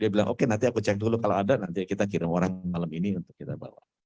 dia bilang oke nanti aku cek dulu kalau ada nanti kita kirim orang malam ini untuk kita bawa